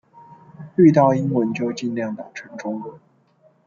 遇到英文就儘量打成中文